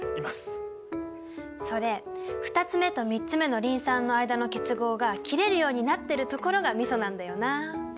それ２つ目と３つ目のリン酸の間の結合が切れるようになってるところがミソなんだよなあ。